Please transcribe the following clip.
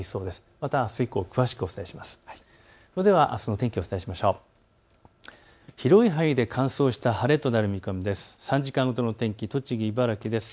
またあす以降、詳しくお伝えします。